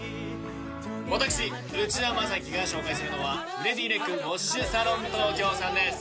私内田将綺が紹介するのはフレディレック・ウォッシュサロントーキョーさんです